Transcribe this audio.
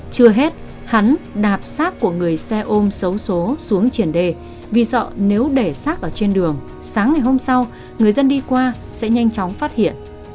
chưa hết hắn đạp xác của người xe ôm xấu xố xuống triển đề vì sợ nếu để xác ở trên đường sáng ngày hôm sau người dân đi qua sẽ nhanh chóng phát hiện